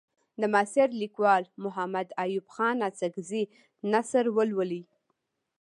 د معاصر لیکوال محمد ایوب خان اڅکزي نثر ولولئ.